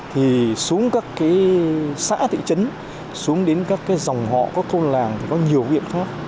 thì xuống các xã thị trấn xuống đến các dòng họ có thôn làng có nhiều viện pháp